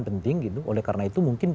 penting gitu oleh karena itu mungkin